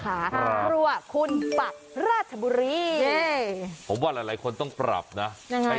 ครัวคุณปะราชบุรีผมว่าหลายคนต้องปรับนะยังไง